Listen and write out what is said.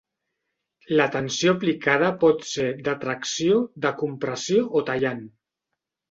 La tensió aplicada pot ser de tracció, de compressió o tallant.